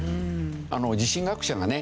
地震学者がね